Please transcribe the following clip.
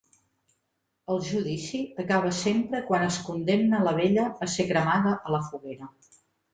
El judici acaba sempre quan es condemna la vella a ser cremada a la foguera.